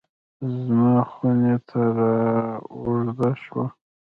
زما خونې ته رااوږده شوه